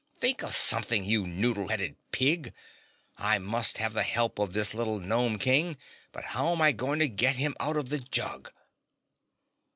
"Think of something, you noddle headed pig! I must have the help of this little Gnome King, but how'm I going to get him out of the jug?"